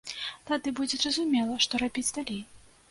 Тады будзе зразумела, што рабіць далей.